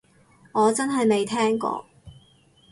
我真係未聽過